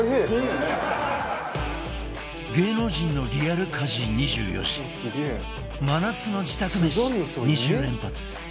芸能人のリアル家事２４時真夏の自宅めし２０連発！